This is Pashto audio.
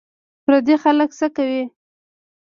پردي خلک څه کوې